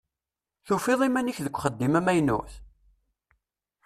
Tufiḍ iman-ik deg uxeddim amaynut?